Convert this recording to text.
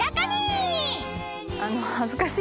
えっ？恥ずかしい。